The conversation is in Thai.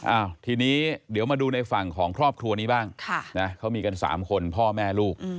อ้าวทีนี้เดี๋ยวมาดูในฝั่งของครอบครัวนี้บ้างเขามีกัน๓คนพ่อแม่ลูก